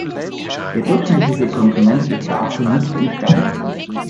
Der durchschnittliche Konsument ist dazu nicht imstande.